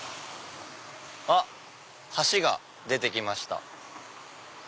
あっ橋が出て来ました。